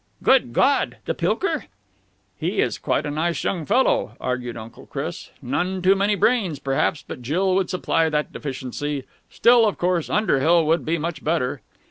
"Good God! The Pilker!" "He is quite a nice young fellow," argued Uncle Chris. "None too many brains, perhaps, but Jill would supply that deficiency. Still, of course, Underhill would be much better."